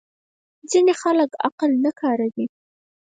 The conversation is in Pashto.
ځینې خلک عقل نه کاروي.